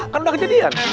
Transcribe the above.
kan udah kejadian